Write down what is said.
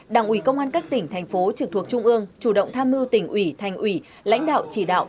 đảng ủy công an các tỉnh thành phố trực thuộc trung ương chủ động tham mưu tỉnh ủy thành ủy lãnh đạo chỉ đạo